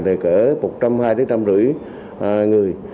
thì có khoảng một trăm hai mươi một trăm năm mươi người